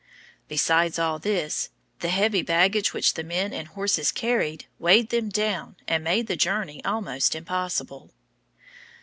Besides all this, the heavy baggage which the men and horses carried weighed them down and made the journey almost impossible.